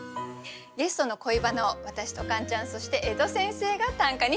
ゲストの恋バナを私とカンちゃんそして江戸先生が短歌に詠みます。